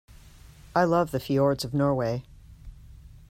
I love the fjords of Norway.